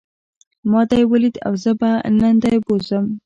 ما دی وليد او زه به نن دی بوځم.